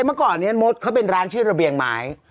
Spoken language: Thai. เมื่อก่อนนี้มดเขาเป็นร้านชื่อระเบียงไม้